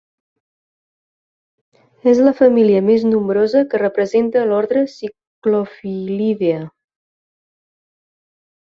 És la família més nombrosa que representa l'ordre Cyclophyllidea.